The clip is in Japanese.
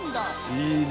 いいね。